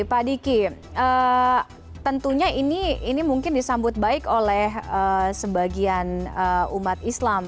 pak diki tentunya ini mungkin disambut baik oleh sebagian umat islam